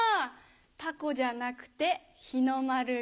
凧じゃなくて日の丸が。